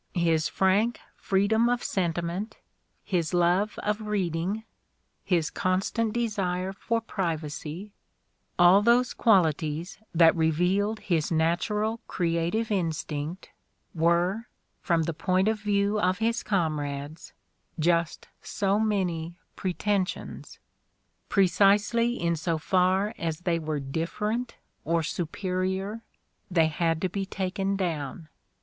His frank free dom of sentiment, his love of reading, his constant desire for privacy — all those qualities that revealed his natural creative instinct — ^were, from the point of view of his comrades, just so many "pretensions": precisely in so far as they were "different" or "superior," they had to be taken down.